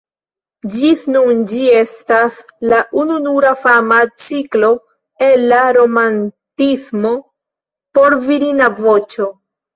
Ĝis nun ĝi estas la ununura fama ciklo el la romantismo por virina voĉo.